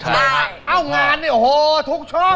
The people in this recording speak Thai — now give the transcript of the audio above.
เอ้างานเนี่ยโอ้โหทุกช่อง